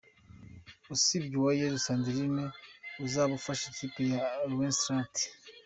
Usibye Uwayezu Sandrine uzaba ufasha ikipe Lowestrates.